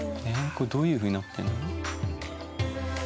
これどういうふうになってるの？